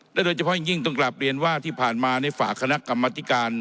โดยเฉพาะอย่างยิ่งต้องกลับเรียนว่าที่ผ่านมาในฝากคณะกรรมธิการ